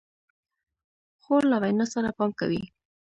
خور له وینا سره پام کوي.